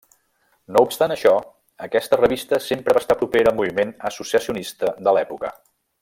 No obstant això, aquesta revista sempre va estar propera al moviment associacionista de l'època.